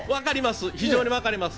非常にわかります。